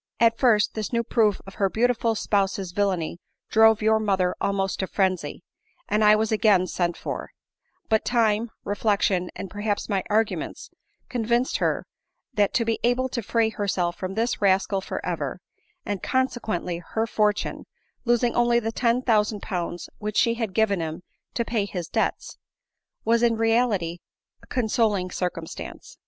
At first this new proof of her beautiful spouse's villany drove your mother almost to frenzy, and 1 was again sent for ; but time, reflection, and perhaps my arguments, convinced her, that to be able to free herself from this rascal for ever, and consequently her fortune, losing only the ten thousand pounds which she had given him to pay his debts, was in reality a consol i 102 ADELINE MOWBRAY. mg circumstance.